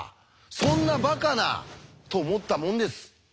「そんなバカな！」と思ったもんです。